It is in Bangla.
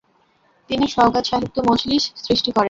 তিনি "সওগাত সাহিত্য মজলিশ" সৃষ্টি করেন।